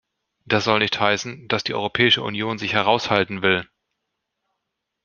Das soll nicht heißen, dass die Europäische Union sich heraushalten will.